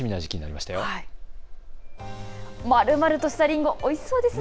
まるまるとしたりんご、おいしそうですね。